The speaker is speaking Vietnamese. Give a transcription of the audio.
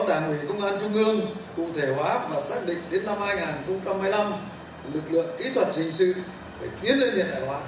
lực lượng kỹ thuật hình sự phải tiến lên hiện đại hội